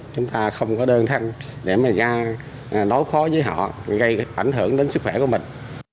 chúng ta không có đơn thân để mà ra đối phó với họ gây ảnh hưởng đến sức khỏe của mình